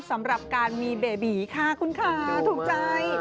สำหรับการมีเบบีค่ะคุณค่ะถูกใจ